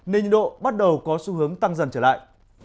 nên nhiệt độ bắt đầu có xu hướng tăng dần trở lại